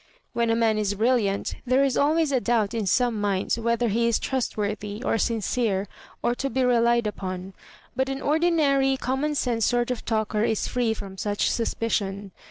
When a man is bril liant there is always a doubt in some mmds whe ther he is trustworthy, or sincere, or to be relied upon; but an ordinary common sense sort of talker is free from such suspicion.